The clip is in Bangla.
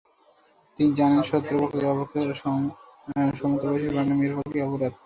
তিনি জানেন সৎপাত্রকে উপেক্ষা করা সমর্থবয়সের বাঙালি মেয়ের পক্ষে অপরাধ।